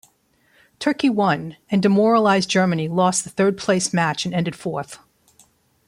Turkey won, and demoralized Germany lost the third-place match and ended fourth.